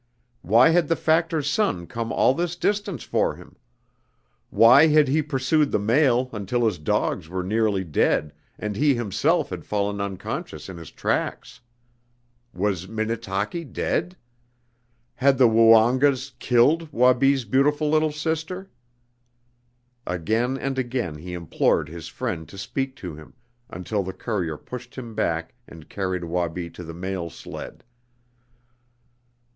Why had the factor's son come all this distance for him? Why had he pursued the mail until his dogs were nearly dead, and he himself had fallen unconscious in his tracks? Was Minnetaki dead? Had the Woongas killed Wabi's beautiful little sister? Again and again he implored his friend to speak to him, until the courier pushed him back and carried Wabi to the mail sled.